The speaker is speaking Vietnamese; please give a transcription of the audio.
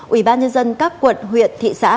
ủy ban nhân dân các quận huyện thị xã